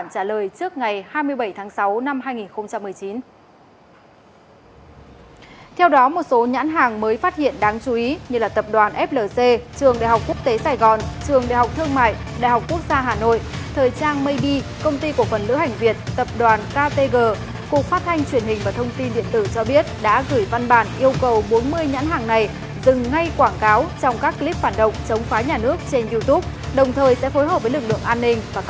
cục phát thanh truyền hình và thông tin điện tử cho biết đã tiếp tục phát hiện có bốn mươi nhãn hàng mới vẫn đang quảng cáo trong các clip phản động trên youtube